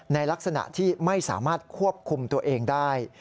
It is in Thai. ในลักษณะที่ไม่สามารถควบคุมตัวเองได้